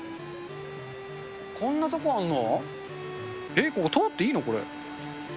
こんな所あんの？